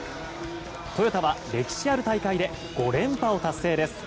トヨタは歴史ある大会で５連覇を達成です。